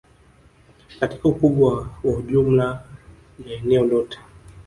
katika ukubwa wa jumla ya eneo lote